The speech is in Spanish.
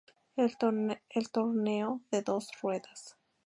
El torneo se dos ruedas.